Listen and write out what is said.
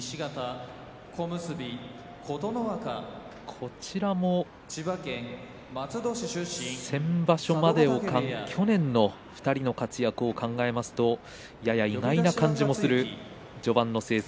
こちらも先場所まで去年の２人の活躍を考えますとやや意外な感じもする序盤の成績。